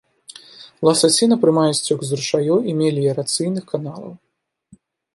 Ласасіна прымае сцёк з ручаёў і меліярацыйных каналаў.